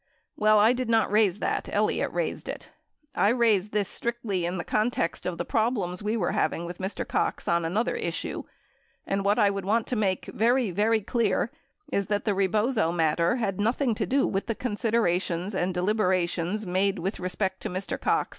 Well I did not raise that, Elliot raised it, I raised this strictly in the context of the problems we were haA 7 ing Avith Mr. Cox on another issue, and what I Avould Avant to make very, very clear is that the Rebozo matter had nothing to do Avith the considerations and deliberations made Avith respect to Mr. Cox in that Aveek of October.